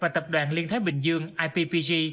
và tập đoàn liên thái bình dương ippg